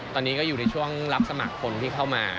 ตอนนี้ก็อยู่ในช่วงรับสมัครคนที่เข้ามา